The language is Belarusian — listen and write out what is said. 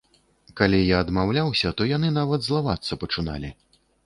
Калі я адмаўляўся, то яны нават злавацца пачыналі.